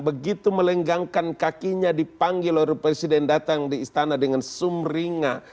begitu melenggangkan kakinya dipanggil oleh presiden datang di istana dengan sumringa